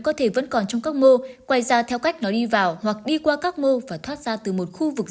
có thể vẫn còn trong các mô ngoài ra theo cách nó đi vào hoặc đi qua các mô và thoát ra từ một khu vực